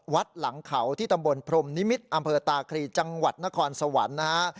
หลังเขาที่ตำบลพรมนิมิตรอำเภอตาครีจังหวัดนครสวรรค์นะฮะ